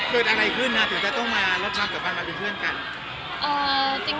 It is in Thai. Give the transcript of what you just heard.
คืออะไรขึ้นถึงจะต้องมารถภาพสาวฟังมาเป็นเพื่อนกัน